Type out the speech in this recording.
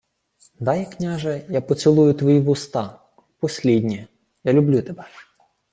— Дай, княже, я поцілую твої вуста. Впосліднє. Я люблю тебе.